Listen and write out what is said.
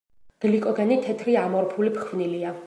გლიკოგენი თეთრი ამორფული ფხვნილია.